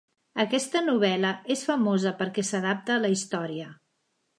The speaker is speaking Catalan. Aquesta novel·la és famosa perquè s'adapta a la història.